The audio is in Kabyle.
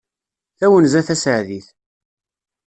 Tawenza taseɛdit.